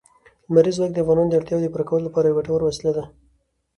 لمریز ځواک د افغانانو د اړتیاوو د پوره کولو لپاره یوه ګټوره وسیله ده.